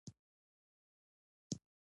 تر هغې پیښې وړاندې خلکو ډېرې زدهکړې کړې وې.